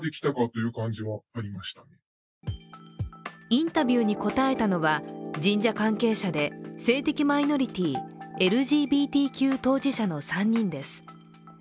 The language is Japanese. インタビューに答えたのは神社関係者で性的マイノリティー＝ＬＧＢＴＱ当事者の３人です。